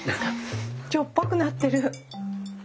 しょっぱくなってる。